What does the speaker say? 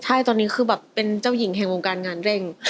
ใช่ตอนนี้คือแบบเป็นเจ้าหญิงแห่งวงการงานเร่ง